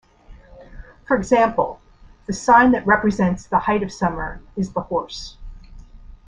For example, the sign that represents the height of summer is the horse.